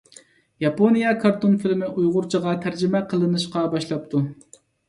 ياپونىيە كارتون فىلىمى ئۇيغۇرچىغا تەرجىمە قىلىنىشقا باشلاپتۇ.